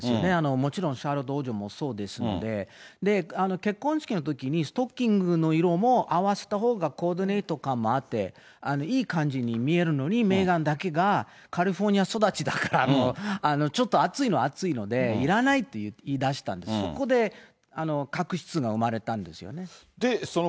もちろん、シャーロット王女もそうですので、結婚式のときに、ストッキングの色も合わせたほうがコーディネート感もあっていい感じに見えるのに、メーガンだけがカリフォルニア育ちだからちょっと暑いは暑いので、いらないって言いだしたんで、そこで確執が生まれたんですよね。